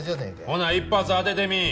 ほな一発当ててみい！